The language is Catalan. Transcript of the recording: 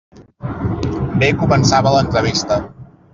Bé començava l'entrevista.